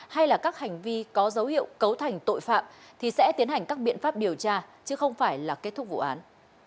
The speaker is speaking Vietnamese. hay là các hành vi có dấu hiệu cấu thành tội phạm thì sẽ tiến hành các biện pháp điều tra chứ không phải là kết thúc vụ án